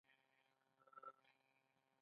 ما د سفر موزې په پښو کړې مینه.